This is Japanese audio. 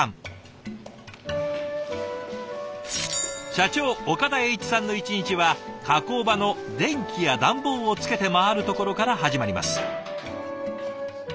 社長岡田栄一さんの一日は加工場の電気や暖房をつけて回るところから始まります。